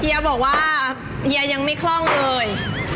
บอกว่าเฮียยังไม่คล่องเลย